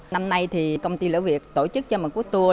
năm nay thì công ty lễ việt tổ chức cho một cuộc tour